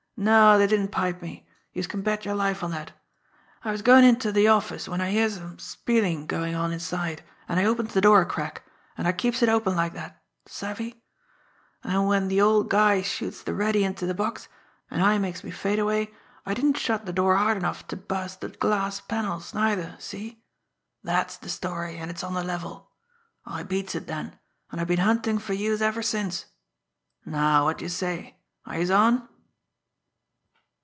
No, dey didn't pipe me, youse can bet yer life on dat. I was goin' inter de office w'en I hears some spielin' goin' on inside, an' I opens de door a crack, an' I keeps it open like dat savvy? An' w'en de old guy shoots de ready inter de box, an' I makes me fade away, I didn't shut de door hard enough ter bust de glass panels, neither see? Dat's de story, an' it's on de level. I beats it den, an' I been huntin' fer youse ever since. Now, wot d'youse say are youse on?"